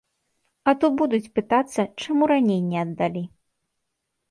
А то будуць пытацца, чаму раней не аддалі.